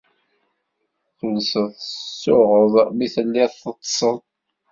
Tulsed tsuɣed mi tellid teḍḍsed.